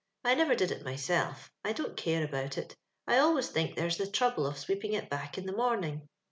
I never did it myself — I don't care about it ; I always think there's the trouble of sweeping it back in the morning.